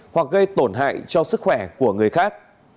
hoặc gây tổn hại cho sức khỏe của người khác